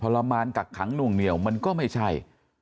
พลัมมารห์กักอังหนุ่งเหนี่ยวมันก็ไม่ใช่